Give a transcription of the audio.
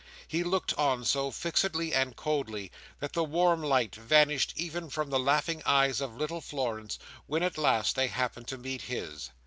He looked on so fixedly and coldly, that the warm light vanished even from the laughing eyes of little Florence, when, at last, they happened to meet his.